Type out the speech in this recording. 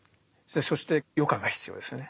そして余暇が必要ですよね。